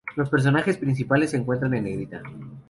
Los personajes principales se encuentran en negrita.